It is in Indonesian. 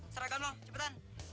seragam lo cepetan